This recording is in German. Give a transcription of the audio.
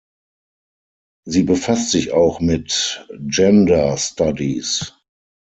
Sie befasst sich auch mit Gender Studies.